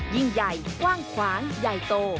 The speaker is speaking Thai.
ยิ่งใหญ่กว้างขวางใหญ่โต